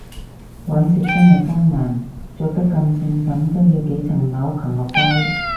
搵食真係艱難，着得咁性感都要幾層樓擒落街